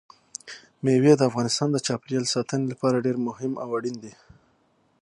مېوې د افغانستان د چاپیریال ساتنې لپاره ډېر مهم او اړین دي.